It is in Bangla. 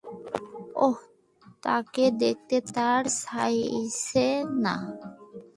ওহ, তাকে দেখতে তর সইছে না।